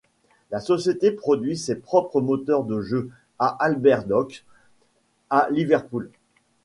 La société produit ses propres moteurs de jeux, à Albert Docks, à Liverpool.